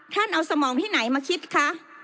ท่านเอาสมองที่ไหนมาคิดคะ